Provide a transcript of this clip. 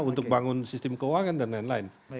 untuk bangun sistem keuangan dan lain lain